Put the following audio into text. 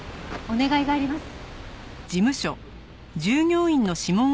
お願いがあります。